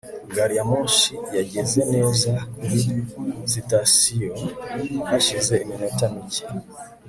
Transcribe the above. gari ya moshi yageze neza kuri sitasiyo hashize iminota mike